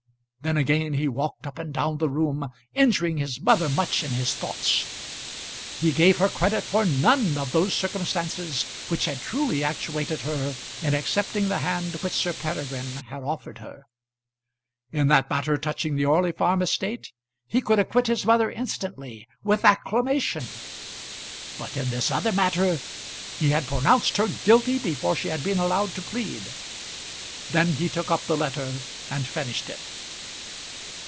Then again he walked up and down the room, injuring his mother much in his thoughts. He gave her credit for none of those circumstances which had truly actuated her in accepting the hand which Sir Peregrine had offered her. In that matter touching the Orley Farm estate he could acquit his mother instantly, with acclamation. But in this other matter he had pronounced her guilty before she had been allowed to plead. Then he took up the letter and finished it.